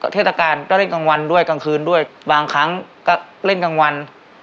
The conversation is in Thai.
เทศกาลก็เล่นกลางวันด้วยกลางคืนด้วยบางครั้งก็เล่นกลางวัน